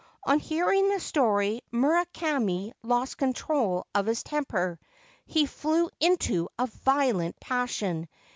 On hearing the story Murakami lost control of his temper. He flew into a violent passion.